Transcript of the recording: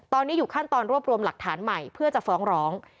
ตอนนี้อยู่ขั้นตอนรวบรวมหลักฐานใหม่เพื่อจะฟ้องร้อง